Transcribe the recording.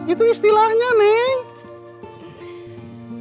itu istilahnya neng